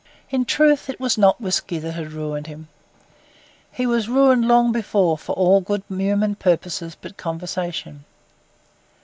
In truth it was not whisky that had ruined him; he was ruined long before for all good human purposes but conversation.